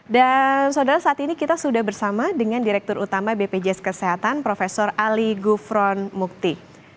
dan saudara saat ini kita sudah bersama dengan direktur utama bpjs kesehatan prof ali gufron mukti